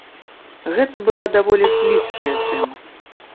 Гэта была даволі слізкая тэма.